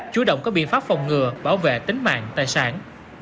chú động có biện pháp phòng ngừa bảo vệ tính mạng tài sản